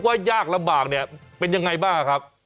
คุณติเล่าเรื่องนี้ให้ฮะ